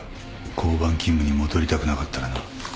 交番勤務に戻りたくなかったらな。